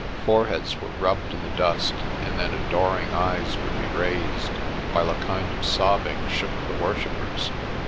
Foreheads were rubbed in the dust and then adoring eyes would be raised, while a kind of sobbing shook the worshippers.